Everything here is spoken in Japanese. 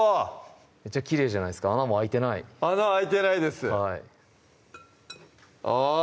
めちゃきれいじゃないですか穴も開いてない穴開いてないですあぁ！